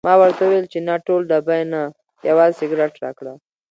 ما ورته وویل چې نه ټول ډبې نه، یوازې یو سګرټ راکړه.